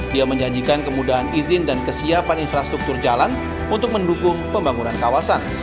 dia menjanjikan kemudahan izin dan kesiapan infrastruktur jalan untuk mendukung pembangunan kawasan